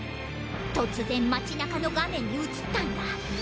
突然町中の画面に映ったんだ。